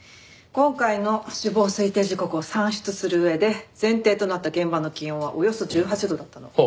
今回の死亡推定時刻を算出する上で前提となった現場の気温はおよそ１８度だったの。